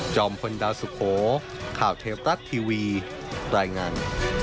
จอมพลดาวสุโขข่าวเทปตั๊ดทีวีรายงาน